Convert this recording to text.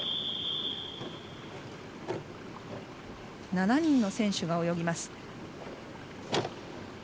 ７人の選手が泳ぎます。